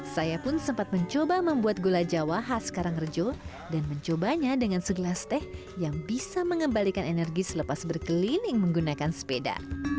saya pun sempat mencoba membuat gula jawa khas karangrejo dan mencobanya dengan segelas teh yang bisa mengembalikan energi selepas berkeliling menggunakan sepeda